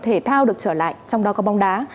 thể thao được trở lại trong đó có bóng đá